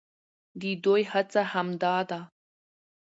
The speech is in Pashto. د دوى هڅه هم دا ده،